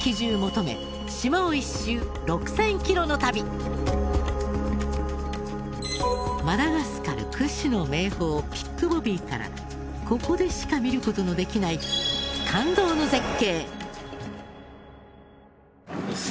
ＪＴマダガスカル屈指の名峰ピックボビーからここでしか見る事のできない感動の絶景。